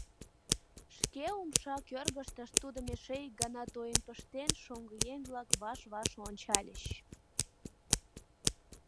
Шке умша кӧргыштышт тудым эше ик гана тоен пыштен, шоҥгыеҥ-влак ваш-ваш ончальыч.